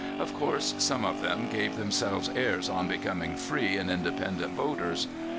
Of course, some of them gave themselves airs on becoming free and independent voters.